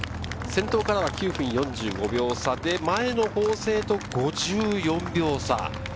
先頭からは９分４５秒差で前の法政と５４秒差。